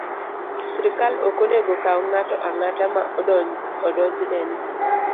Sirkal ok onego okaw ng'ato ang'ata ma odonjne ni